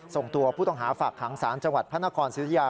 ส่งตัวผู้ต้องหาฝากขังศาลจังหวัดพระนครศิริยา